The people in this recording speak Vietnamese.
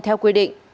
theo quy định